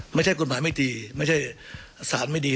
ไม่ใช่กฎหมายไม่ตีไม่ใช่สารไม่ดี